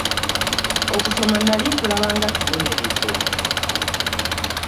Okusoma nali nkulaba nga kibonerezo.